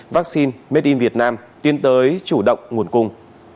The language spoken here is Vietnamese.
vaccine made in vietnam tiến tới chủ động nguồn cung